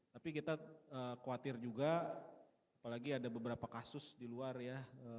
tapi kita khawatir juga apalagi ada beberapa kasus di luar ya